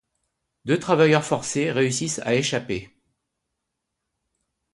Deux travailleurs forcés réussissent à échapper.